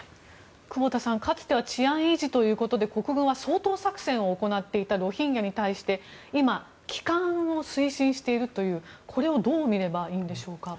久保田さん、かつては治安維持ということで国軍は、掃討作戦を行っていたロヒンギャに対して今、帰還を推進しているというこれをどう見ればいいんでしょうか？